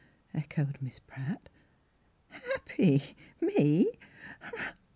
echoed Miss Pratt. " Happy — me? Huh